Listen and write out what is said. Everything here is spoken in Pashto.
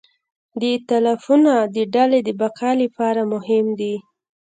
دا ایتلافونه د ډلې د بقا لپاره مهم دي.